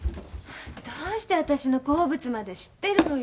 どうしてあたしの好物まで知ってるのよ！